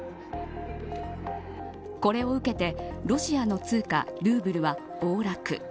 これを受けてロシアの通貨ルーブルは暴落。